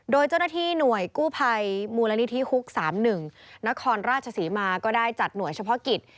โดยเจ้าหน้าที่หน่วยกู้ภัยมูลนิธิฮุก๓๑นครราชศรีมาก็ได้จัดหน่วยเฉพาะกิจ